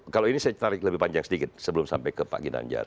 kalau ini saya tarik lebih panjang sedikit sebelum sampai ke pak ginanjar